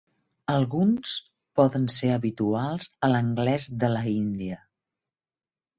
Alguns poden ser habituals a l"anglès de la Índia.